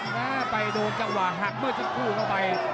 นะไปโดนจังหวะหักเมื่อสักครู่เข้าไป